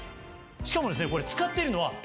しかもですね。